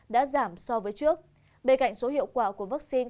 đã giảm so với trước bên cạnh số hiệu quả của vaccine